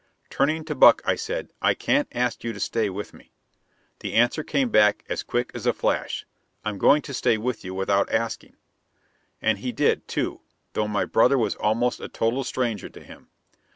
Turning to Buck, I said, "I can't ask you to stay with me." The answer came back as quick as a flash, "I'm going to stay with you without asking." And he did, too, though my brother was almost a total stranger to him.